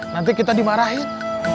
nanti kita dimarahin